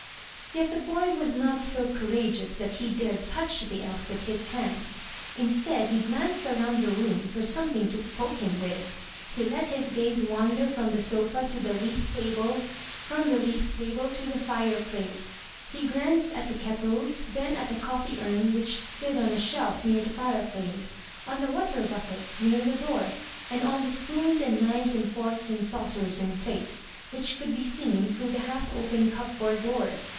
Yet the boy was not so courageous that he dared touch the elf with his hands; instead he glanced around the room for some thing to poke him with. He let his gaze wander from the sofa to the leaf table; from the leaf table to the fireplace. He glanced at the kettles, then at the coffee urn, which stood on a shelf, near the fireplace; on the water bucket, near the door; and on the spoons and knives and forks and saucers and plates, which could be seen through the half open cupboard door.